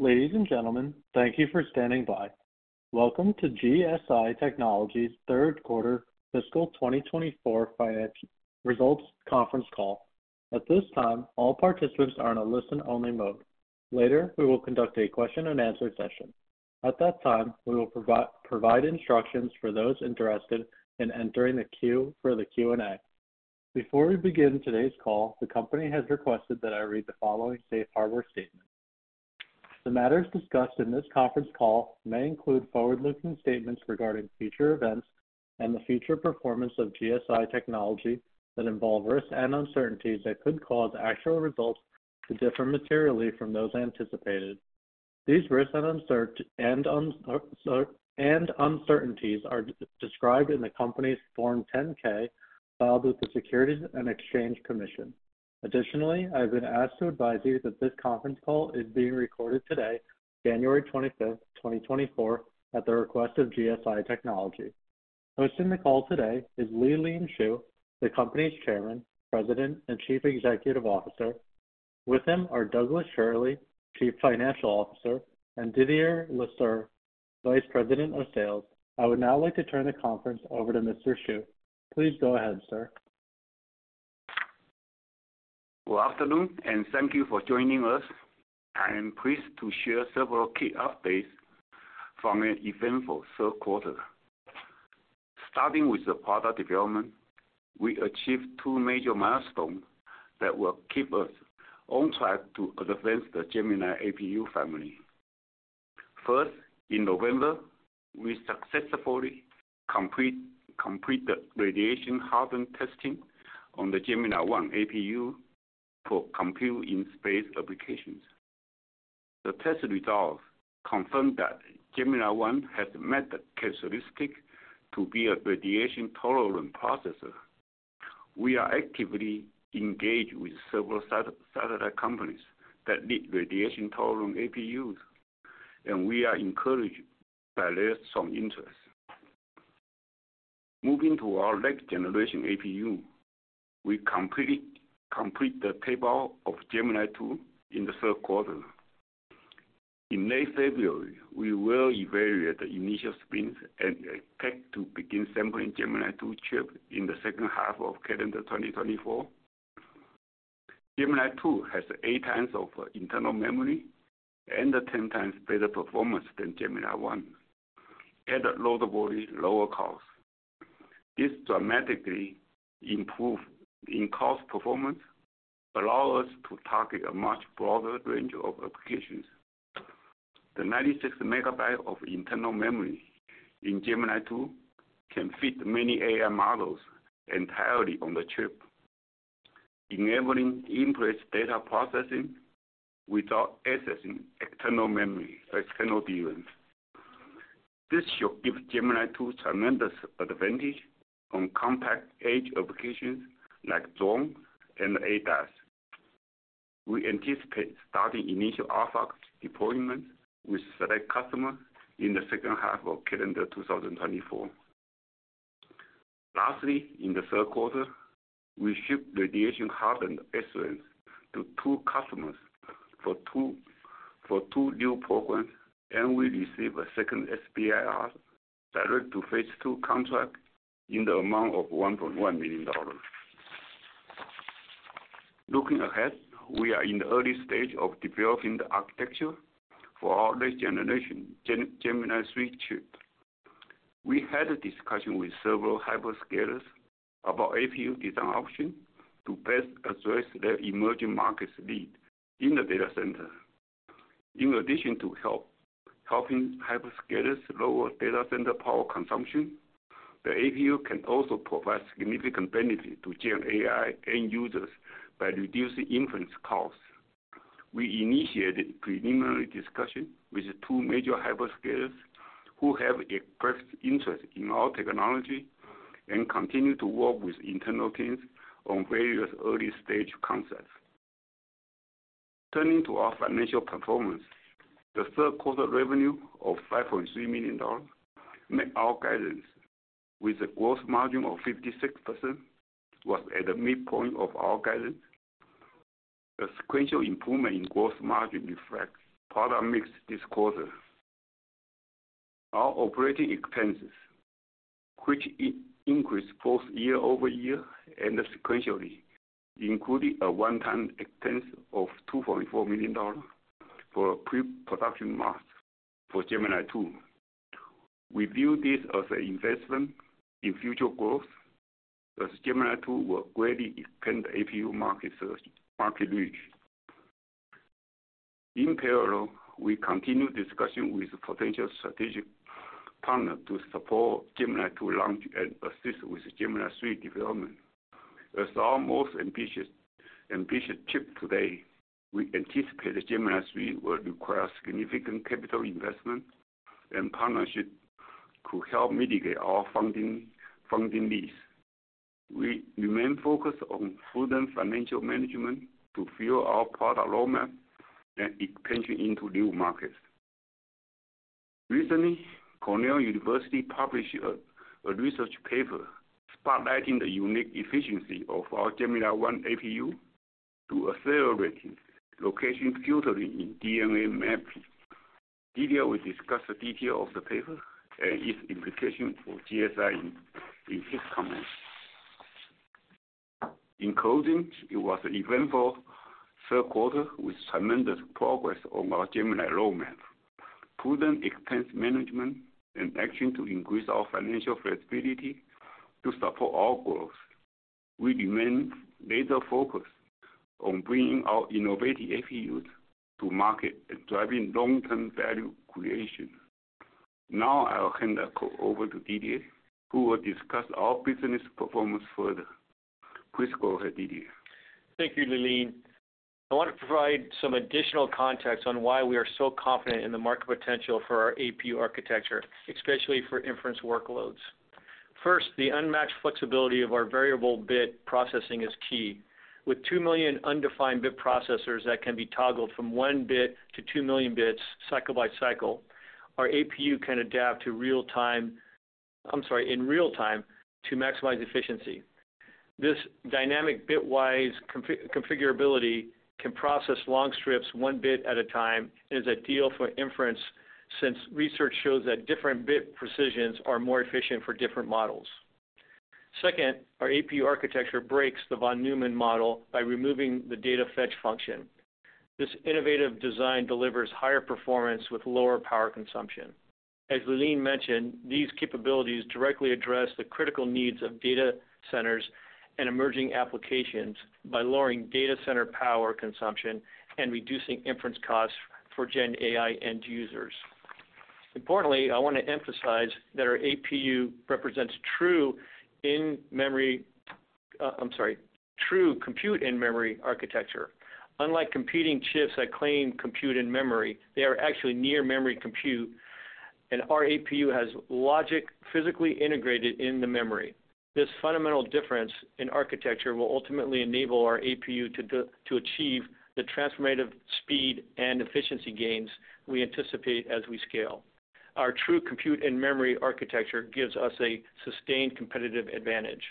Ladies and gentlemen, thank you for standing by. Welcome to GSI Technology's Q3 fiscal 2024 financial results conference call. At this time, all participants are in a listen-only mode. Later, we will conduct a question-and-answer session. At that time, we will provide instructions for those interested in entering the queue for the Q&A. Before we begin today's call, the company has requested that I read the following safe harbor statement. The matters discussed in this conference call may include forward-looking statements regarding future events and the future performance of GSI Technology that involve risks and uncertainties that could cause actual results to differ materially from those anticipated. These risks and uncertainties are described in the company's Form 10-K filed with the Securities and Exchange Commission. Additionally, I've been asked to advise you that this conference call is being recorded today, January 25, 2024, at the request of GSI Technology. Hosting the call today is Lee-Lean Shu, the company's Chairman, President, and Chief Executive Officer. With him are Douglas Schirle, Chief Financial Officer, and Didier Lasserre, Vice President of Sales. I would now like to turn the conference over to Mr. Shu. Please go ahead, sir. Good afternoon, and thank you for joining us. I am pleased to share several key updates from an eventful Q3. Starting with the product development, we achieved two major milestones that will keep us on track to advance the Gemini APU family. First, in November, we successfully completed radiation-hardened testing on the Gemini-I APU for compute in space applications. The test results confirmed that Gemini-I has met the characteristics to be a radiation-tolerant processor. We are actively engaged with several satellite companies that need radiation-tolerant APUs, and we are encouraged by their strong interest. Moving to our next generation APU, we completed the tape-out of Gemini-II in the Q3. In late February, we will evaluate the initial spins and expect to begin sampling Gemini-II chip in the second half of calendar 2024. Gemini-II has 8 times of internal memory and 10 times better performance than Gemini-I, at notably lower cost. This dramatically improves cost performance, allow us to target a much broader range of applications. The 96 megabyte of internal memory in Gemini-II can fit many AI models entirely on the chip, enabling in-place data processing without accessing external memory or external devices. This should give Gemini-II tremendous advantage on compact edge applications like drone and ADAS. We anticipate starting initial alpha deployments with select customers in the second half of calendar 2024. Lastly, in the Q3, we shipped radiation-hardened SRAMs to two customers for two new programs, and we received a second SBIR direct to Phase II contract in the amount of $1.1 million. Looking ahead, we are in the early stage of developing the architecture for our next generation, Gemini-III chip. We had a discussion with several hyperscalers about APU design options to best address their emerging markets need in the data center. In addition to helping hyperscalers lower data center power consumption, the APU can also provide significant benefit to Gen AI end users by reducing inference costs. We initiated preliminary discussions with two major hyperscalers who have expressed interest in our technology and continue to work with internal teams on various early-stage concepts. Turning to our financial performance, the Q3 revenue of $5.3 million met our guidance with a gross margin of 56%, was at the midpoint of our guidance. The sequential improvement in gross margin reflects product mix this quarter. Our operating expenses, which increased both year-over-year and sequentially, included a one-time expense of $2.4 million for a pre-production mask for Gemini-II. We view this as an investment in future growth, as Gemini-II will greatly expand APU market reach. In parallel, we continue discussions with potential strategic partners to support Gemini-II launch and assist with Gemini-III development. As our most ambitious, ambitious chip to date, we anticipate Gemini-III will require significant capital investment and partnership to help mitigate our funding, funding needs. We remain focused on prudent financial management to fuel our product roadmap and expansion into new markets. Recently, Cornell University published a research paper spotlighting the unique efficiency of our Gemini-I APU to accelerate location filtering in DNA mapping. Didier will discuss the detail of the paper and its implication for GSI in his comments. In closing, it was an eventful Q3 with tremendous progress on our Gemini roadmap, prudent expense management, and action to increase our financial flexibility to support our growth. We remain laser-focused on bringing our innovative APUs to market and driving long-term value creation. Now I will hand the call over to Didier, who will discuss our business performance further. Please go ahead, Didier. Thank you, Lee-Lean. I want to provide some additional context on why we are so confident in the market potential for our APU architecture, especially for inference workloads. First, the unmatched flexibility of our variable bit processing is key. With 2 million undefined bit processors that can be toggled from one bit to 2 million bits, cycle by cycle, our APU can adapt to real time, I'm sorry, in real time to maximize efficiency. This dynamic bit-wise configurability can process long strips one bit at a time, and is ideal for inference, since research shows that different bit precisions are more efficient for different models. Second, our APU architecture breaks the von Neumann model by removing the data fetch function. This innovative design delivers higher performance with lower power consumption. As Lee-Lean mentioned, these capabilities directly address the critical needs of data centers and emerging applications by lowering data center power consumption and reducing inference costs for Gen AI end users. Importantly, I want to emphasize that our APU represents true in-memory, true compute-in-memory architecture. Unlike competing chips that claim compute-in-memory, they are actually near memory compute, and our APU has logic physically integrated in the memory. This fundamental difference in architecture will ultimately enable our APU to achieve the transformative speed and efficiency gains we anticipate as we scale. Our true compute-in-memory architecture give us a sustained competitive advantage.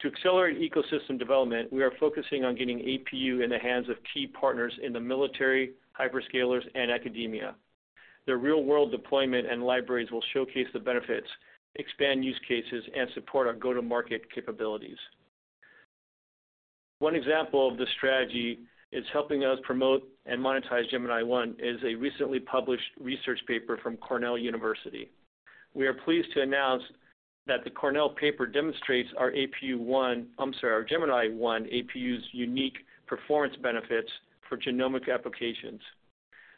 To accelerate ecosystem development, we are focusing on getting APU in the hands of key partners in the military, hyperscalers, and academia. Their real-world deployment and libraries will showcase the benefits, expand use cases, and support our go-to-market capabilities. One example of this strategy is helping us promote and monetize Gemini-I, is a recently published research paper from Cornell University. We are pleased to announce that the Cornell paper demonstrates our APU One... I'm sorry, our Gemini-I APU's unique performance benefits for genomic applications.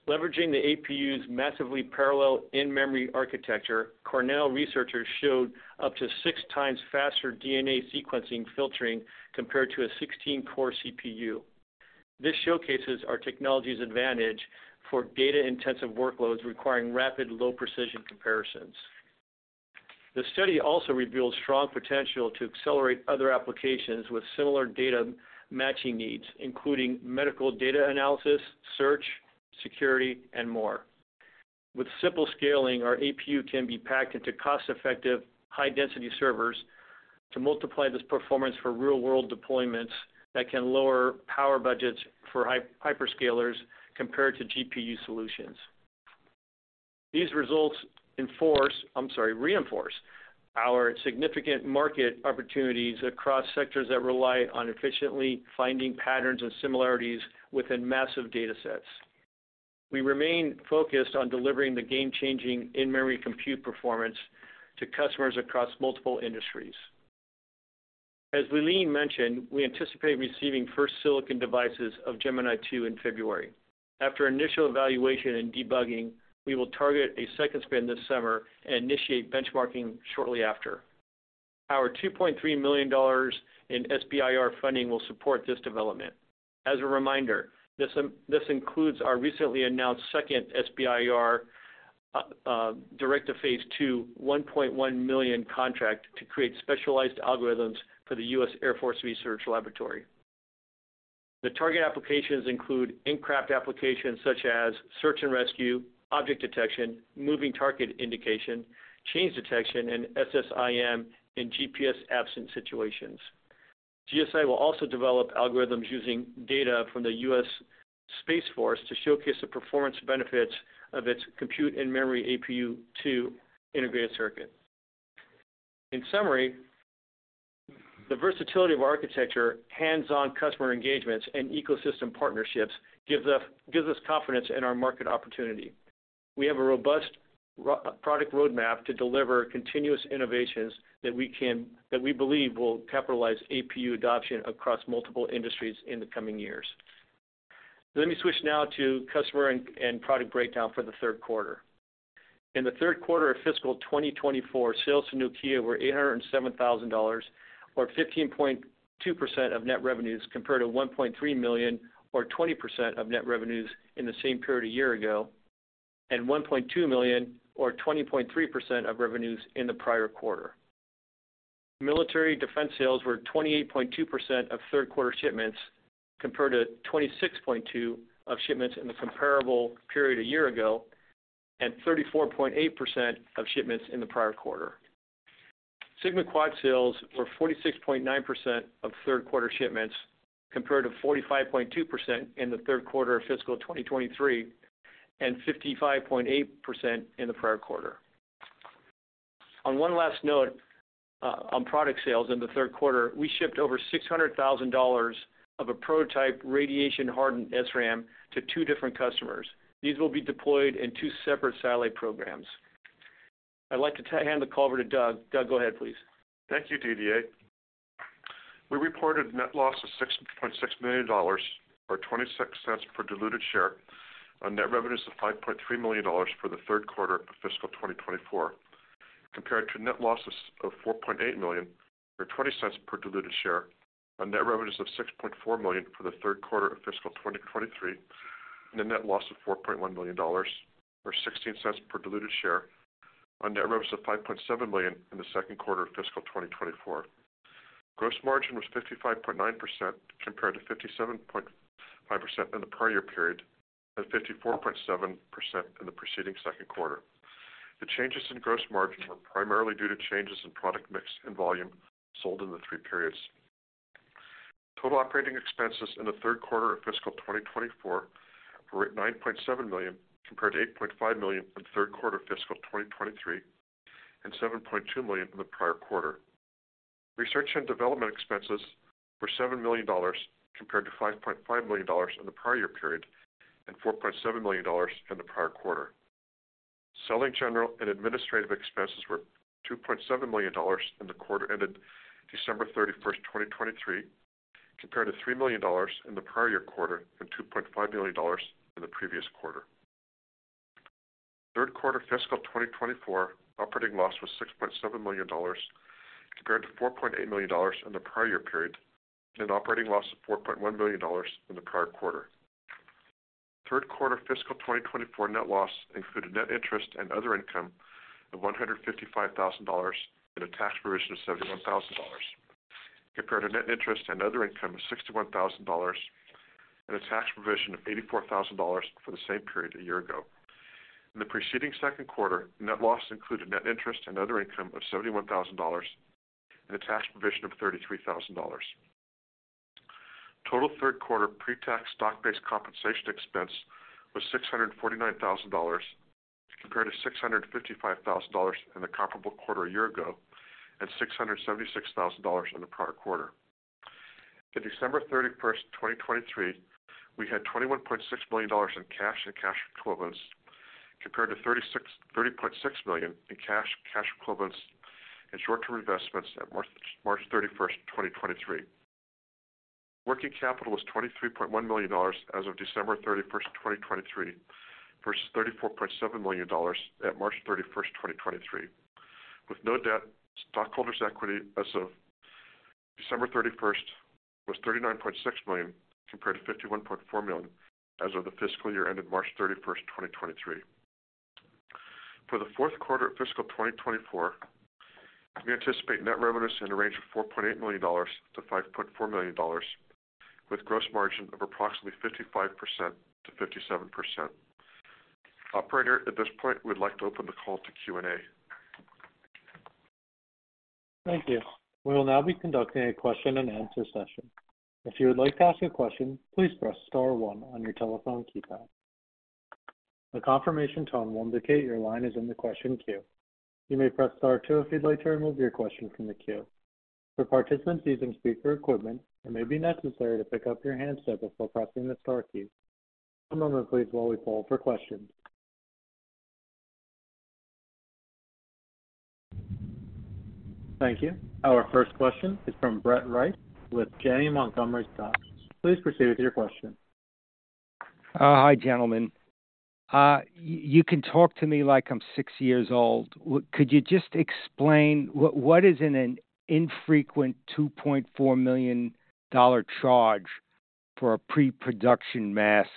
Leveraging the APU's massively parallel in-memory architecture, Cornell researchers showed up to six times faster DNA sequencing filtering compared to a 16-core CPU. This showcases our technology's advantage for data-intensive workloads requiring rapid, low-precision comparisons. The study also reveals strong potential to accelerate other applications with similar data matching needs, including medical data analysis, search, security, and more. With simple scaling, our APU can be packed into cost-effective, high-density servers to multiply this performance for real-world deployments that can lower power budgets for hyperscalers compared to GPU solutions. These results enforce, I'm sorry, reinforce our significant market opportunities across sectors that rely on efficiently finding patterns and similarities within massive datasets. We remain focused on delivering the game-changing in-memory compute performance to customers across multiple industries. As Lee-Lean mentioned, we anticipate receiving first silicon devices of Gemini-II in February. After initial evaluation and debugging, we will target a second spin this summer and initiate benchmarking shortly after. Our $2.3 million in SBIR funding will support this development. As a reminder, this includes our recently announced second SBIR Phase II $1.1 million contract to create specialized algorithms for the U.S. Air Force Research Laboratory. The target applications include in-craft applications such as search and rescue, object detection, moving target indication, change detection, and SSIM in GPS-absent situations. GSI will also develop algorithms using data from the U.S. Space Force to showcase the performance benefits of its compute-in-memory APU Two integrated circuit. In summary, the versatility of architecture, hands-on customer engagements, and ecosystem partnerships gives us, gives us confidence in our market opportunity. We have a robust product roadmap to deliver continuous innovations that we believe will capitalize APU adoption across multiple industries in the coming years. Let me switch now to customer and, and product breakdown for the Q3. In the Q3 of fiscal 2024, sales to Nokia were $807,000, or 15.2% of net revenues, compared to $1.3 million, or 20% of net revenues in the same period a year ago, and $1.2 million, or 20.3% of revenues in the prior quarter. Military defense sales were 28.2% of Q3 shipments, compared to 26.2% of shipments in the comparable period a year ago, and 34.8% of shipments in the prior quarter. SigmaQuad sales were 46.9% of Q3 shipments, compared to 45.2% in the Q3 of fiscal 2023 and 55.8% in the prior quarter. On one last note, on product sales in the Q3, we shipped over $600,000 of a prototype radiation-hardened SRAM to two different customers. These will be deployed in two separate satellite programs. I'd like to hand the call over to Doug. Doug, go ahead, please. Thank you, Didier. We reported net loss of $6.6 million, or $0.26 per diluted share on net revenues of $5.3 million for the Q3 of fiscal 2024, compared to net losses of $4.8 million or $0.20 per diluted share on net revenues of $6.4 million for the Q3 of fiscal 2023 and a net loss of $4.1 million, or $0.16 per diluted share on net revenues of $5.7 million in the Q2 of fiscal 2024. Gross margin was 55.9%, compared to 57.5% in the prior period and 54.7% in the preceding Q2. The changes in gross margin were primarily due to changes in product mix and volume sold in the three periods. Total operating expenses in the Q3 of fiscal 2024 were $9.7 million, compared to $8.5 million in the Q3 of fiscal 2023, and $7.2 million in the prior quarter. Research and development expenses were $7 million, compared to $5.5 million in the prior year period and $4.7 million in the prior quarter. Selling, general and administrative expenses were $2.7 million in the quarter ended December 31, 2023, compared to $3 million in the prior quarter and $2.5 million in the previous quarter. Q3 fiscal 2024 operating loss was $6.7 million, compared to $4.8 million in the prior year period, and an operating loss of $4.1 million in the prior quarter. Q3 fiscal 2024 net loss included net interest and other income of $155,000 and a tax provision of $71,000, compared to net interest and other income of $61,000 and a tax provision of $84,000 for the same period a year ago. In the preceding Q2, net loss included net interest and other income of $71,000 and a tax provision of $33,000. Total Q3 pre-tax stock-based compensation expense was $649,000, compared to $655,000 in the comparable quarter a year ago, and $676,000 in the prior quarter. On December 31, 2023, we had $21.6 million in cash and cash equivalents, compared to $30.6 million in cash, cash equivalents and short-term investments at March 31, 2023. Working capital was $23.1 million as of December 31, 2023, versus $34.7 million at March 31, 2023. With no debt, stockholders' equity as of December 31 was $39.6 million, compared to $51.4 million as of the fiscal year ended March 31, 2023. For the Q4 of fiscal 2024, we anticipate net revenues in a range of $4.8-$5.4 million, with gross margin of approximately 55%-57%. Operator, at this point, we'd like to open the call to Q&A. Thank you. We will now be conducting a question-and-answer session. If you would like to ask a question, please press star one on your telephone keypad. A confirmation tone will indicate your line is in the question queue. You may press star two if you'd like to remove your question from the queue. For participants using speaker equipment, it may be necessary to pick up your handset before pressing the star key. One moment, please, while we pull for questions. Thank you. Our first question is from Brett Reiss with Janney Montgomery Scott. Please proceed with your question. Hi, gentlemen. You can talk to me like I'm six years old. Could you just explain what, what is in an infrequent $2.4 million charge for a pre-production mask?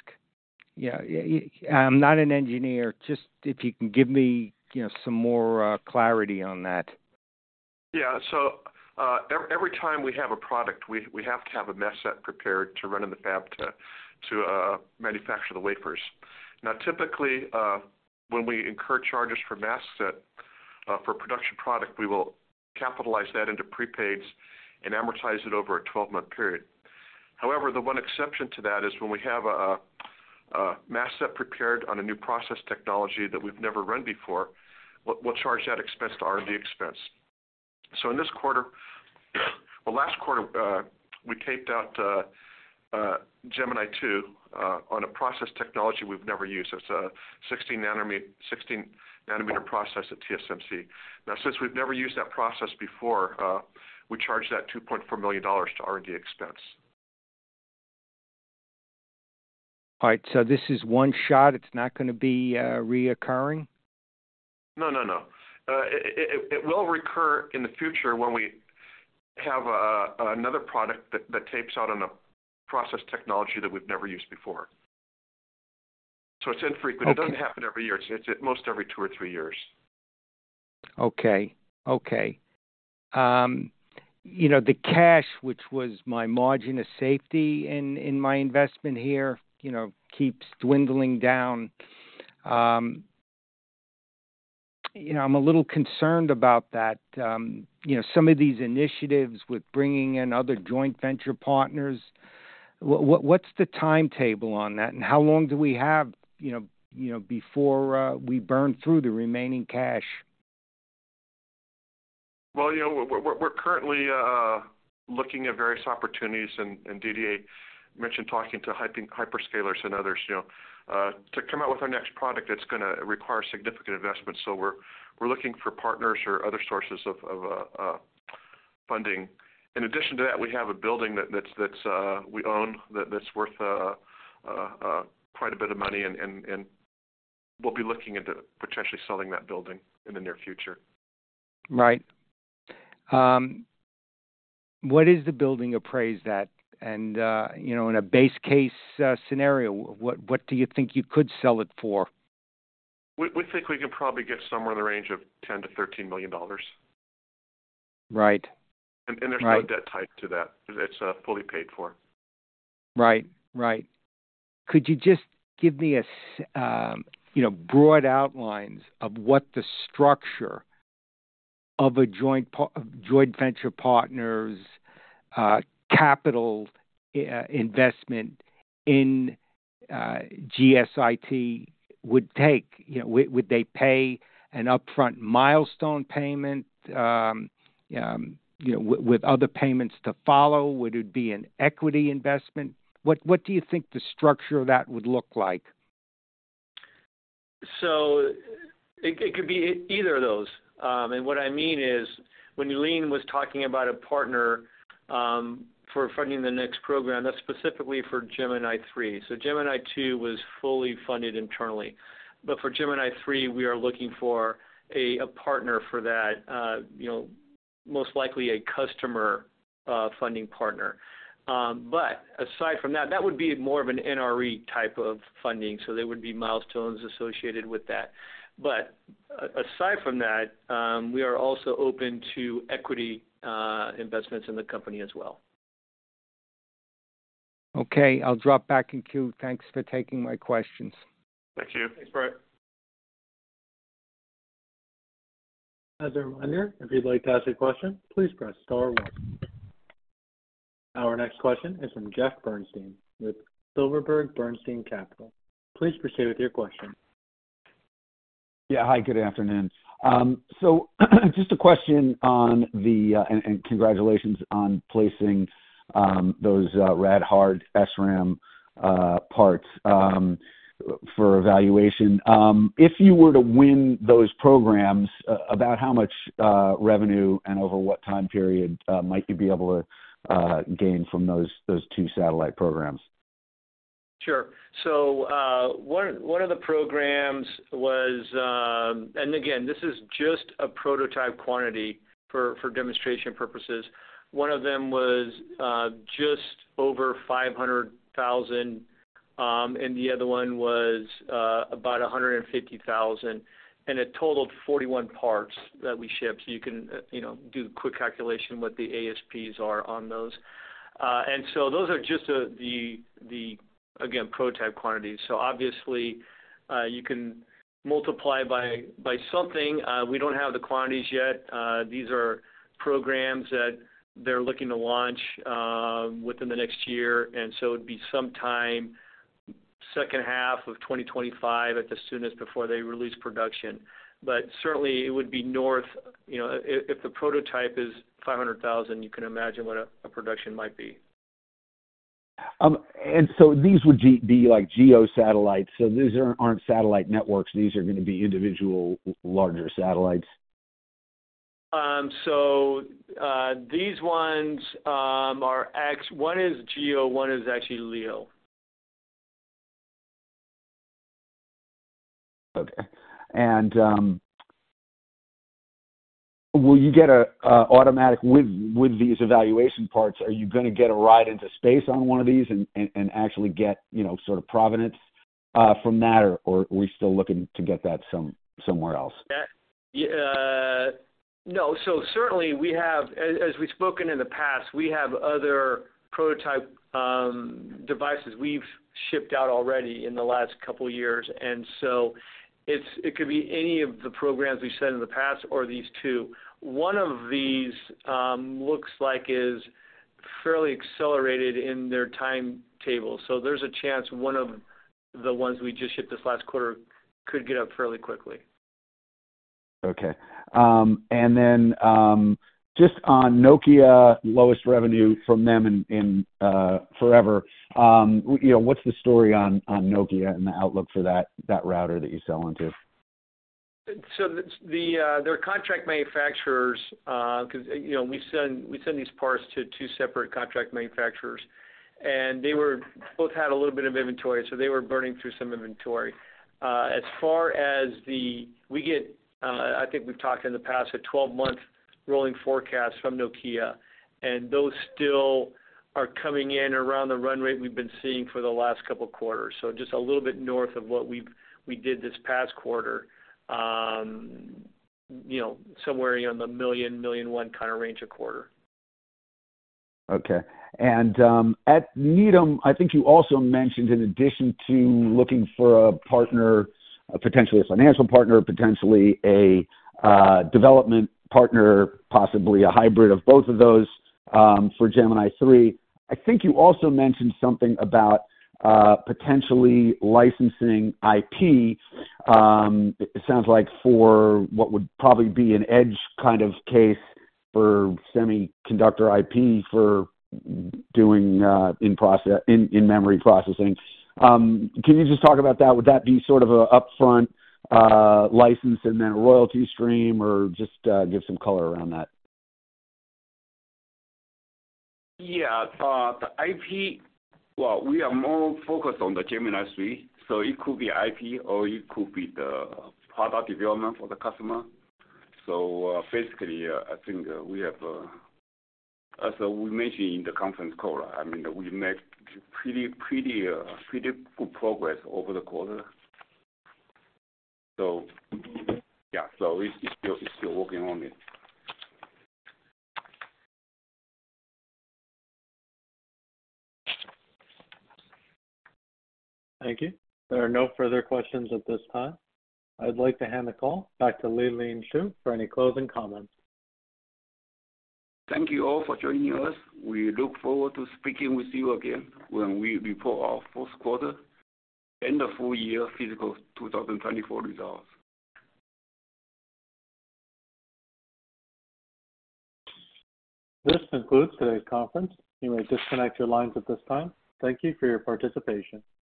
Yeah, I'm not an engineer. Just if you can give me, you know, some more clarity on that. Yeah. So, every time we have a product, we have to have a mask set prepared to run in the fab to manufacture the wafers. Now, typically, when we incur charges for mask set for production product, we will capitalize that into prepaids and amortize it over a 12-month period. However, the one exception to that is when we have a mask set prepared on a new process technology that we've never run before, we'll charge that expense to R&D expense. So in this quarter, well, last quarter, we taped out Gemini 2 on a process technology we've never used. It's a 16-nanometer process at TSMC. Now, since we've never used that process before, we charged that $2.4 million to R&D expense. All right, so this is one shot. It's not gonna be recurring? No, no, no. It will recur in the future when we have another product that tapes out on a process technology that we've never used before... So it's infrequent. Okay. It doesn't happen every year. It's at most every two or three years. Okay. Okay. You know, the cash, which was my margin of safety in my investment here, you know, keeps dwindling down. You know, I'm a little concerned about that. You know, some of these initiatives with bringing in other joint venture partners, what's the timetable on that, and how long do we have, you know, you know, before we burn through the remaining cash? Well, you know, we're currently looking at various opportunities, and Didier mentioned talking to hyperscalers and others, you know, to come out with our next product, that's gonna require significant investment. So we're looking for partners or other sources of funding. In addition to that, we have a building that that's we own, that that's worth quite a bit of money, and we'll be looking into potentially selling that building in the near future. Right. What is the building appraised at? And, you know, in a base case scenario, what do you think you could sell it for? We think we could probably get somewhere in the range of $10-$13 million. Right. And there's- Right... no debt tied to that. It's fully paid for. Right. Right. Could you just give me a, you know, broad outlines of what the structure of a joint venture partners, capital, investment in, GSIT would take? You know, would they pay an upfront milestone payment, you know, with other payments to follow? Would it be an equity investment? What do you think the structure of that would look like? It could be either of those. What I mean is, when Lee-Lean was talking about a partner for funding the next program, that's specifically for Gemini-III. Gemini-II was fully funded internally. But for Gemini-III, we are looking for a partner for that, you know, most likely a customer funding partner. But aside from that, that would be more of an NRE type of funding, so there would be milestones associated with that. But aside from that, we are also open to equity investments in the company as well. Okay, I'll drop back in queue. Thanks for taking my questions. Thank you. Thanks, Brett. As a reminder, if you'd like to ask a question, please press star one. Our next question is from Jeff Bernstein with Silverberg Bernstein Capital. Please proceed with your question. Yeah. Hi, good afternoon. So, just a question on the-- and congratulations on placing those rad hard SRAM parts for evaluation. If you were to win those programs, about how much revenue and over what time period might you be able to gain from those two satellite programs? Sure. So, one of the programs was—and again, this is just a prototype quantity for demonstration purposes. One of them was just over 500,000, and the other one was about 150,000, and it totaled 41 parts that we shipped. So you can, you know, do quick calculation what the ASPs are on those. And so those are just the again, prototype quantities. So obviously, you can multiply by something. We don't have the quantities yet. These are programs that they're looking to launch within the next year, and so it'd be some time second half of 2025, at the soonest, before they release production. But certainly, it would be north, you know, if the prototype is $500,000, you can imagine what a production might be. So these would be like GEO satellites. So these aren't satellite networks. These are gonna be individual, larger satellites. So, these ones are x. One is GEO, one is actually LEO. Okay. And will you get an automatic with these evaluation parts, are you gonna get a ride into space on one of these and actually get, you know, sort of provenance from that, or are we still looking to get that somewhere else? Yeah, no. So certainly we have, as we've spoken in the past, we have other prototype devices we've shipped out already in the last couple of years, and so it's- it could be any of the programs we've said in the past or these two. One of these looks like is fairly accelerated in their timetable. So there's a chance one of the ones we just shipped this last quarter could get up fairly quickly. Okay. And then, just on Nokia, lowest revenue from them in, in, forever. You know, what's the story on, on Nokia and the outlook for that, that router that you sell into? So the their contract manufacturers, because, you know, we send these parts to two separate contract manufacturers, and they were both had a little bit of inventory, so they were burning through some inventory. As far as the we get, I think we've talked in the past, a 12-month rolling forecast from Nokia, and those still are coming in around the run rate we've been seeing for the last couple of quarters. So just a little bit north of what we did this past quarter, you know, somewhere in the $1-$1.1 million kind of range a quarter. Okay. At Needham, I think you also mentioned, in addition to looking for a partner, potentially a financial partner, potentially a development partner, possibly a hybrid of both of those, for Gemini-III. I think you also mentioned something about potentially licensing IP. It sounds like for what would probably be an edge kind of case for semiconductor IP, for doing in-process, in-memory processing. Can you just talk about that? Would that be sort of an upfront license and then royalty stream, or just give some color around that? Yeah, the IP, well, we are more focused on the Gemini-III, so it could be IP or it could be the product development for the customer. So, basically, I think we have, as we mentioned in the conference call, I mean, we make pretty good progress over the quarter. So yeah, so it's still, we're still working on it. Thank you. There are no further questions at this time. I'd like to hand the call back to Lee-Lean Shu for any closing comments. Thank you all for joining us. We look forward to speaking with you again when we report our Q4 and the full year fiscal 2024 results. This concludes today's conference. You may disconnect your lines at this time. Thank you for your participation.